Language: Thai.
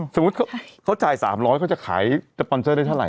สมมุติเขาจ่าย๓๐๐เขาจะขายสปอนเซอร์ได้เท่าไ